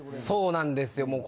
そうなんですよ。